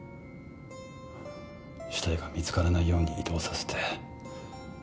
死体が見つからないように移動させて。